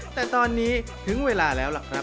แต่ตอนนี้ถึงเวลาแล้วล่ะครับ